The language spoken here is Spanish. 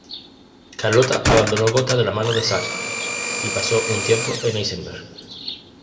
Carlota abandonó Gotha de la mano de Zach y pasó un tiempo en Eisenberg.